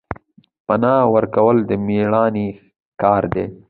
پنا ورکول د میړانې کار دی